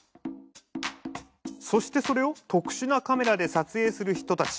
そしてそれを特殊なカメラで撮影する人たち。